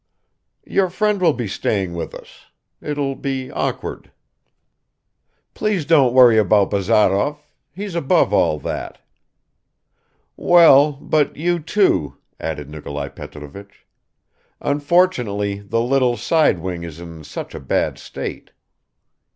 "Your friend will be staying with us ... it will be awkward." "Please don't worry about Bazarov. He's above all that." "Well, but you too," added Nikolai Petrovich. "Unfortunately the little side wing is in such a bad state."